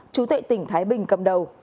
chú tệ tỉnh thái bình cầm đầu